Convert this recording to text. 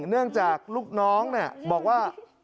เนื่องจากลูกน้องบอกว่า